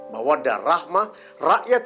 bawanda rahmah rakyat